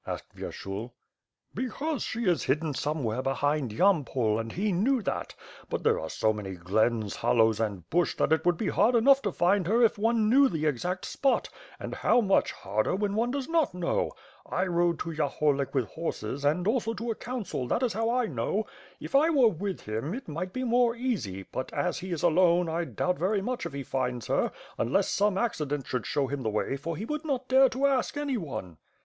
asked Vyershul. "Because she is hidden somewhere behind Yampol and he knew that; but there are so many glens, hollows, and bush that it would be hard enough to &id her if one knew the exact spot; and how much harder when one does not know. I rode to Yahorlik with horses, and also to a council, that is how I know. If I were with him, it might be more easy; but as he is alone, I doubt very much if he finds her, unless some accident should show him the w^ay, for he would not dare to ask any one."